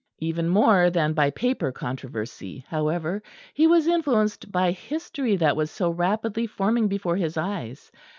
Even more than by paper controversy, however, he was influenced by history that was so rapidly forming before his eyes.